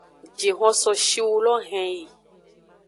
Jihon so shiwu lo henyi.